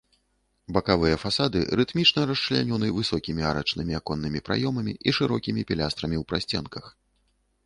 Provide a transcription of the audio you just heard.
Бакавыя фасады рытмічна расчлянёны высокімі арачнымі аконнымі праёмамі і шырокімі пілястрамі ў прасценках.